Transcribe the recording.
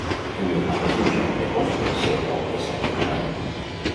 El meu pare es diu Jaume Cosme: ce, o, essa, ema, e.